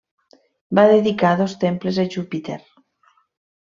Va dedicar dos temples a Júpiter.